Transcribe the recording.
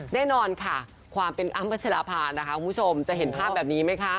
แน่นอนค่ะความเป็นอ้ำพัชราภานะคะคุณผู้ชมจะเห็นภาพแบบนี้ไหมคะ